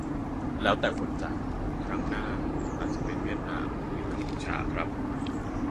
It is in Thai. แล้วแต่คนจัด ครั้งหน้าอาจจะเป็นเวียดนามหรือกัมพูชาครับ